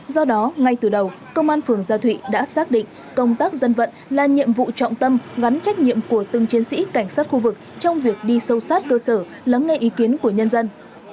do đó ngay từ đầu công an phường gia thụy đã xác định công tác dân vận là nhiệm vụ trọng tâm gắn trách nhiệm của từng chiến sĩ cảnh sát khu vực trong việc đi sâu sát cơ sở lắng nghe ý kiến của nhân dân